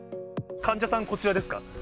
患者さん、こちらですか？